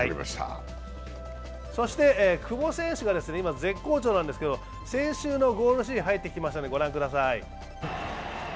そして久保選手が今、絶好調なんですけど、先週のゴールシーン入ってきましたので、ご覧ください。